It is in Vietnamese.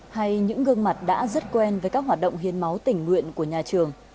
hay những gương mặt đã rất quen với các hoạt động hiến máu tình nguyện của nhà trường